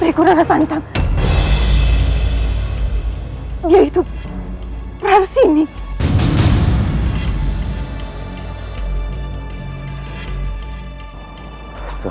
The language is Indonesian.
aku harus mencari tempat yang lebih aman